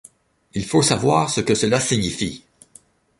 Il faut savoir ce que cela signifie.